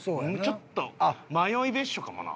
ちょっと迷い別所かもな。